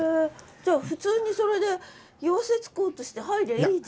じゃあ普通にそれで溶接工として入りゃいいじゃん。